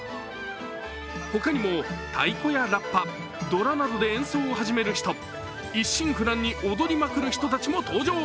ほかにも太鼓やラッパ、ドラなどで演奏を始める人、一心不乱に踊りまくる人たちも登場。